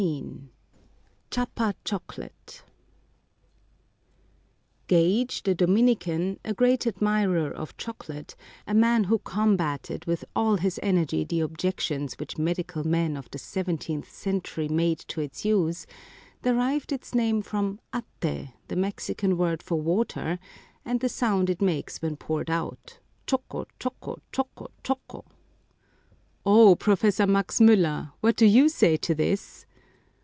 267 CHIAPA CHOCOLATE Gage, the Dominican, a great admirer of chocolate, a man who combated with all his energy the objec tions which medical men of the seventeenth century made to its use, derived its name from atte^ the Mexican word for water, and the sound it makes when poured out, — choco, choco, choco, choco ! O Professor Max Miiller ! what do you say to this?